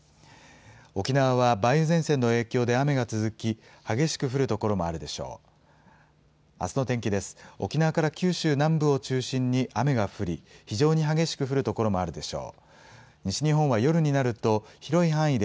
沖縄は梅雨前線の影響で雨が続き、激しく降る所もあるでしょう。